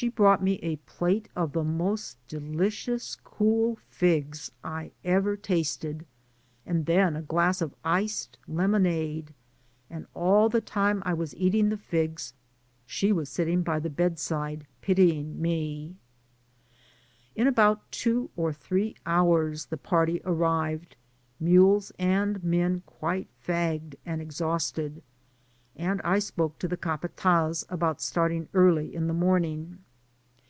^he brought me a plate of the most delicious cool figs I ever tasted, and then a glass of iced lemonade, and all the time I was eating the figs she was sitting by the bed side pitying me. In about two or three hours the party arrived, mules and men quite fagged and exhausted, and I N 2 Digitized byGoogk 180 PASSAGE ACROSS spoke to the capatdz about starting early in the morning.